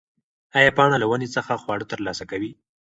ایا پاڼه له ونې څخه خواړه ترلاسه کوي؟